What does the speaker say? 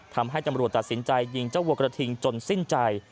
ทำให้ตำรวจตัดสินใจยิงเจ้าวัวกระทิงจนสิ้นใจ